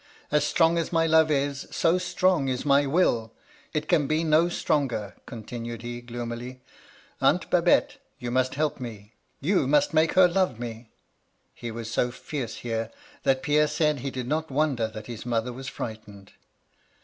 As strong as my love is, so strong is my will. It can be no stronger,' continued he, gloomily, *Aunt Babette, you must help me — ^you must make her love me.' He was so fierce here, that Pierre said he did not wonder that his mother was frightened.